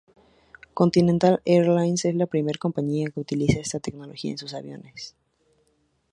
Continental Airlines es la primera compañía que utiliza esta tecnología en sus aviones.